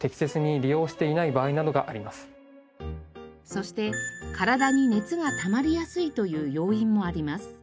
そして体に熱がたまりやすいという要因もあります。